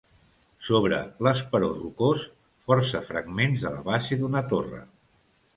Sobre l'esperó rocós, força fragments de la base d'una torre.